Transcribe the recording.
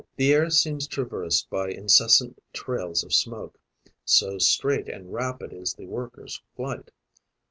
The air seems traversed by incessant trails of smoke, so straight and rapid is the worker's flight.